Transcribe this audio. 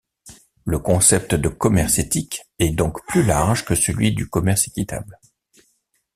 Le concept de commerce éthique est donc plus large que celui du commerce équitable.